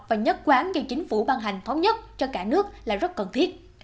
và nhất quán do chính phủ ban hành thống nhất cho cả nước là rất cần thiết